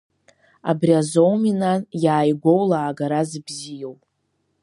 Абри азоуми, нан, иааигәоу лаагара зыбзиоу.